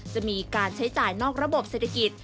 จะมีการใช้จ่ายนอกระบบเศรษฐกิจ